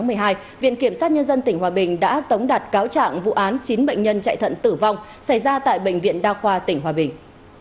ngày bảy một mươi hai viện kiểm sát nhân dân tỉnh hòa bình đã tống đặt cáo trạng vụ án chín bệnh nhân chạy thận tử vong xảy ra tại bệnh viện đa khoa tỉnh hòa bình